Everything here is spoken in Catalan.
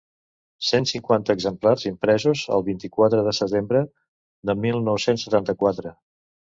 Cent cinquanta exemplars impresos el vint-i-quatre de setembre de mil nou-cents setanta-quatre.